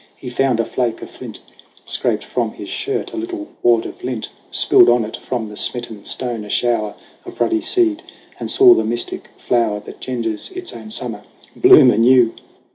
He found a flake of flint, Scraped from his shirt a little wad of lint, Spilled on it from the smitten stone a shower Of ruddy seed ; and saw the mystic flower That genders its own summer, bloom anew